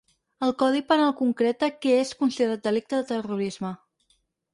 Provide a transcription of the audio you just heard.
El codi penal concreta què és considerat delicte de terrorisme.